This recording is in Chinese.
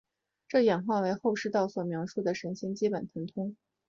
这演化为后世道教所描述神仙的基本神通。